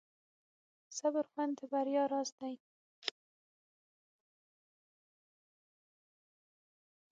د صبر خوند د بریا راز دی.